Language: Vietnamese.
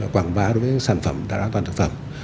quảng bá đối với sản phẩm và an toàn thực phẩm